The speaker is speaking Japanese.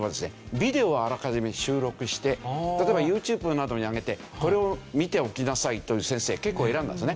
ビデオをあらかじめ収録して例えばＹｏｕＴｕｂｅなどに上げてこれを見ておきなさいという先生結構いるんですね。